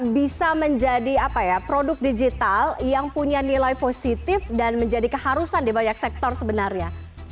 bisa menjadi produk digital yang punya nilai positif dan menjadi keharusan di banyak sektor sebenarnya